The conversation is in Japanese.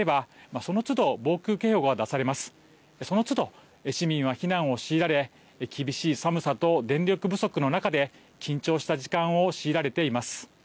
そのつど市民は避難を強いられ厳しい寒さと電力不足の中で緊張した時間を強いられています。